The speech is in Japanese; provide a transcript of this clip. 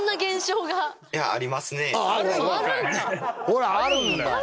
ほらあるんだよ！